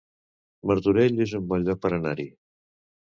Martorell es un bon lloc per anar-hi